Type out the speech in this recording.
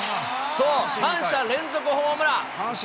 そう、３者連続ホームラン。